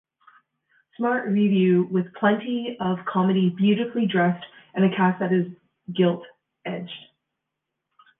Smart revue with plenty of comedy beautifully dressed and a cast that is gilt-edged.